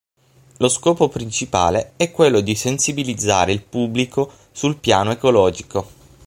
Lo scopo principale è quello di sensibilizzare il pubblico sul piano ecologico.